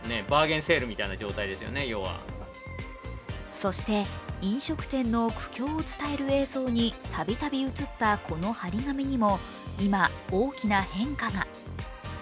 そして飲食店の苦境を伝える映像にたびたび映ったこの貼り紙にも今、大きな変化が。